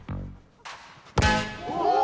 お！